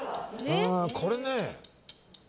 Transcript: これね、△。